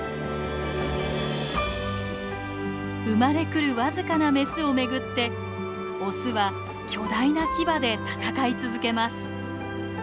生まれくる僅かなメスをめぐってオスは巨大なキバで戦い続けます。